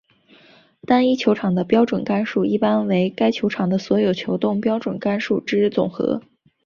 单一球场的标准杆数一般为该球场的所有球洞标准杆数之总和。